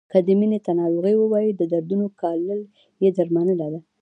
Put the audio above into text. که مینې ته ناروغي ووایو د دردونو ګالل یې درملنه ده.